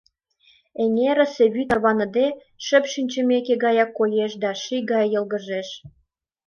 Эҥерысе вӱд тарваныде, шып шинчыме гаяк коеш да ший гай йолгыжеш.